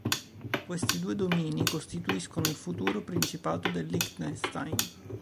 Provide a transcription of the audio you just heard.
Questi due domini costituirono il futuro principato del Liechtenstein.